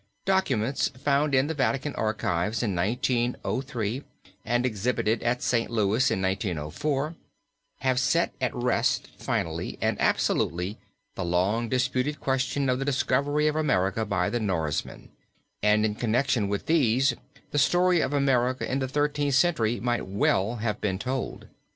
Documents found in the Vatican Archives in 1903 and exhibited at St. Louis in 1904, have set at rest finally and absolutely the long disputed question of the discovery of America by the Norsemen, and in connection with these the story of America in the Thirteenth Century might well have been told.